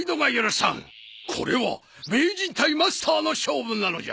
これは名人対マスターの勝負なのじゃ。